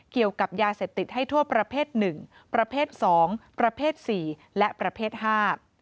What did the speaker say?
เกี่ยวกับยาเสพติดให้โทษประเภทหนึ่งประเภทสองประเภทสี่และประเภทห้า